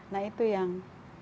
nah itu yang